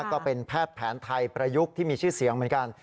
ก็เป็นแพทย์แผนไทยประยุกต์ที่มีชื่อเสียงเหมือนกัน